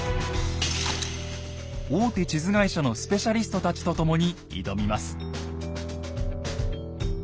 大手地図会社のスペシャリストたちと共に挑みます。